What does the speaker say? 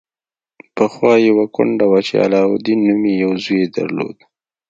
پخوا یوه کونډه وه چې علاوالدین نومې یو زوی یې درلود.